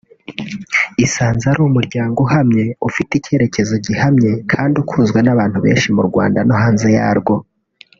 isanze ari umuryango uhamye ufite icyerekezo gihamye kandi ukunzwe n’abantu benshi mu Rwanda no hanze yarwo